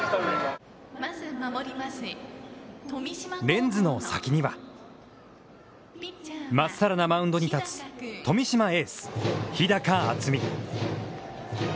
レンズの先には、真っさらなマウンドに立つ、富島、エース日高暖己。